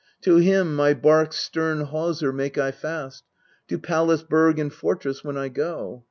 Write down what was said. To him my bark's stern hawser make I fast, To Pallas' burg and fortress when I go.